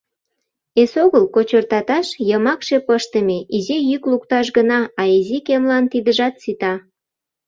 Эсогыл кочыртаташат йымакше пыштыме, изи йӱк лукташ гына, а изи кемлан тидыжат сита.